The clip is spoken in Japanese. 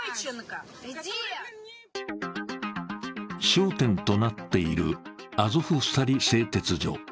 焦点となっているアゾフスタリ製鉄所。